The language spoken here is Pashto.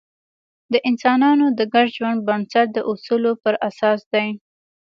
د انسانانو د ګډ ژوند بنسټ د اصولو پر اساس دی.